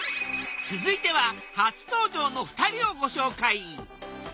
続いては初登場の２人をご紹介。